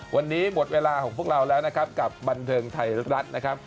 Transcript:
วันนี้หมดเวลาของพวกเราแล้วนะครับกับบันเทิงไทยรัฐนะครับ